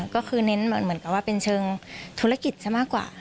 ก็คือเน้นเหมือนกับว่าเป็นเชิงธุรกิจซะมากกว่า